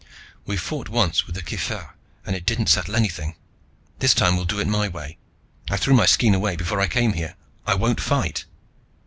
"We fought once with the kifirgh and it didn't settle anything. This time we'll do it my way. I threw my skean away before I came here. I won't fight."